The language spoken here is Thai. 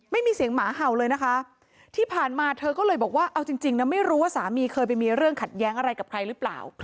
ไม่มีเสียงหมาเห่าเลยนะคะที่ผ่านมาเธอก็เลยบอกว่าเอาจริงนะไม่รู้ว่าสามีเคยไปมีเรื่องขัดแย้งอะไรกับใครหรือเปล่า